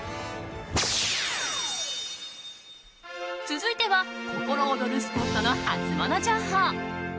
続いては心躍るスポットのハツモノ情報。